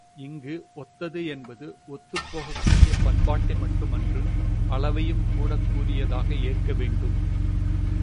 இங்கு ஒத்தது என்றது ஒத்துப் போகக்கூடிய பண்பாட்டை மட்டுமன்று அளவையும் கூடக் கூறியதாக ஏற்கவேண்டும்.